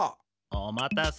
おまたせ！